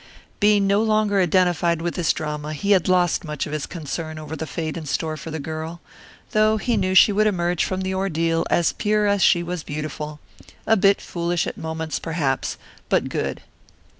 Being no longer identified with this drama he had lost much of his concern over the fate in store for the girl, though he knew she would emerge from the ordeal as pure as she was beautiful a bit foolish at moments, perhaps, but good.